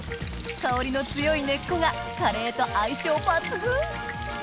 香りの強い根っこがカレーと相性抜群！